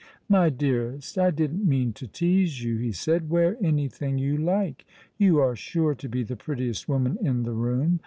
" My dearest, I didn't mean to tease you," he said ;*' wear anything you like. You are sure to be the prettiest woman in the room.